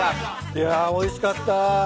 いやおいしかった。